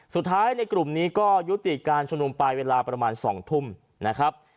สุดท้ายในกลุ่มนี้ก็ยุติการชุมนุมไปเวลาประมาณ๒ทุ่มนะครับ